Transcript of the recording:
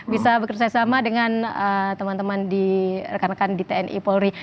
bisa bekerjasama dengan teman teman di rekan rekan di tni polri